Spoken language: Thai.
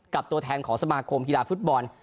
ตัวแทนของสมาคมกีฬาฟุตบอล